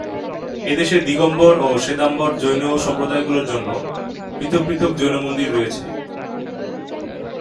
এদেশে দিগম্বর ও শ্বেতাম্বর জৈন সম্প্রদায়গুলির জন্য পৃথক পৃথক জৈন মন্দির রয়েছে।